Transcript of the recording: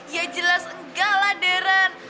ya jelas enggak lah deran